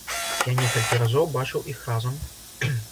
Я некалькі разоў бачыў іх разам.